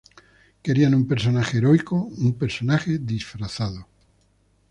Querían un personaje heroico, un personaje disfrazado.